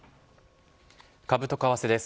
株と為替です。